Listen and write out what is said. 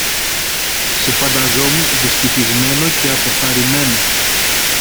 Σε φανταζόμουν δυστυχισμένο και αποθαρρυμένο